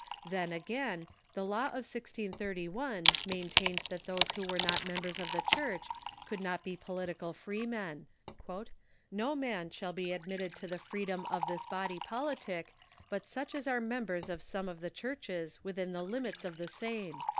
Then, again, the law of 1631 maintained that those who were not members of the Church could not be political free men :" No man shall be admitted to the freedom of this body politic but such as are members of some of the churches within the limits of the same."